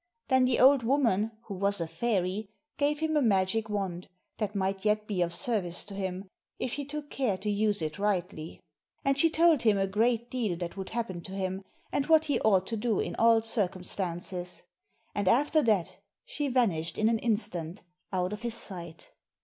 Then the old woman, who was a fairy, gave him a magic wand, that might yet be of service to him, if he took care to use it rightly ; and she told him a great deal that would happen to him, and what he ought to do in all circumstances ; and after that, she vanished in an instant, out of his sight.